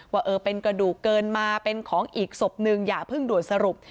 ว่าเออเป็นกระดูกเกินมาเป็นของอีกศพหนึ่งอย่าเพิ่งด่วนสรุป